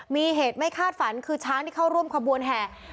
มีเหตุไม่คาดฝันคือช้างที่เข้าร่วมขบวนแห่